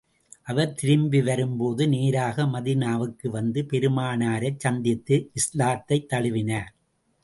அவர் திரும்பி வரும் போது நேராக மதீனாவுக்கு வந்து பெருமானாரைச் சந்தித்து, இஸ்லாத்தைத் தழுவினார்.